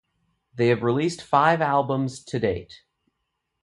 They have released five albums to date.